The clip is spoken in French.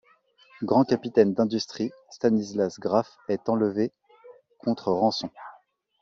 Grand capitaine d'industrie, Stanislas Graff est enlevé contre rançon.